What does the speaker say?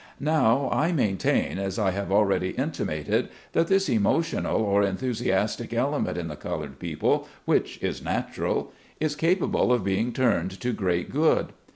Now, I maintain, as I have already intimated, that this emotional or enthusiastic element in the colored people — which is natural — is capable of being turned to great good.